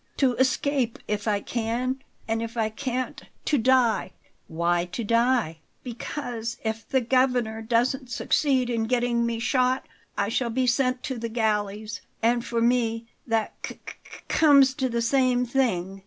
To escape if I can, and if I can't, to die." "Why 'to die'?" "Because if the Governor doesn't succeed in getting me shot, I shall be sent to the galleys, and for me that c c comes to the same thing.